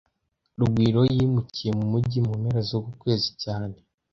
Rugwiro yimukiye mu mujyi mu mpera zuku kwezi cyane